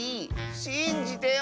しんじてよ！